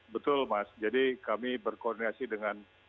betul mas jadi kami berkoordinasi dengan